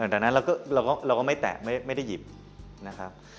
ตั้งแต่นั้นเราก็ไม่แตะไม่ได้หยิบ